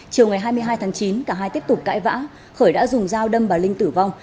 chiều ngày hai mươi hai tháng chín cả hai tiếp tục cãi vã khởi đã dùng dao đâm bà linh tử vong